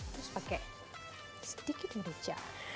terus pakai sedikit merica